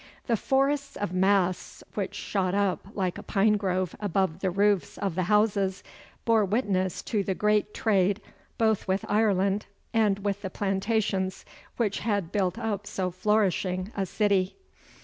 The forests of masts which shot up like a pinegrove above the roofs of the houses bore witness to the great trade both with Ireland and with the Plantations which had built up so flourishing a city.